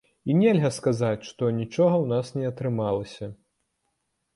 І нельга сказаць, што анічога ў нас не атрымалася.